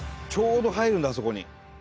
ちょうど入るんだあそこに。